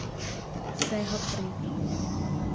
Serra Preta